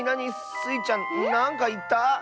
スイちゃんなんかいった？